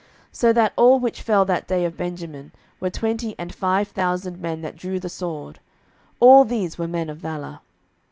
07:020:046 So that all which fell that day of Benjamin were twenty and five thousand men that drew the sword; all these were men of valour.